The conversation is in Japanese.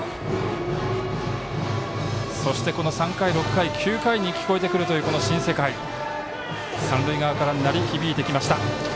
３回、５回、９回に聴こえてくるという「新世界」三塁側から鳴り響いてきました。